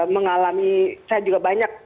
mengalami saya juga banyak